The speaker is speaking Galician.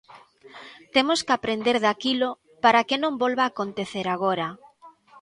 Temos que aprender daquilo para que non volva acontecer agora.